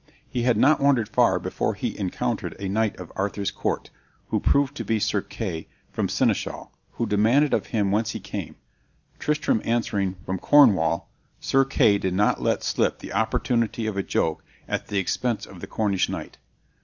He had not wandered far before he encountered a knight of Arthur's court, who proved to be Sir Kay the Seneschal, who demanded of him whence he came. Tristram answering, "From Cornwall," Sir Kay did not let slip the opportunity of a joke at the expense of the Cornish knight.